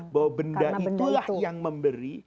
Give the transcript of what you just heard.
bahwa benda itulah yang memberi